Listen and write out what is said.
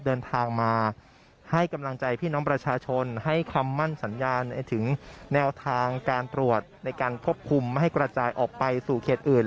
เดินทางมาให้กำลังใจพี่น้องประชาชนให้คำมั่นสัญญาณถึงแนวทางการตรวจในการควบคุมไม่ให้กระจายออกไปสู่เขตอื่น